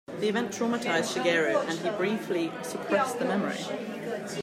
The event traumatized Shigeru and he briefly suppressed the memory.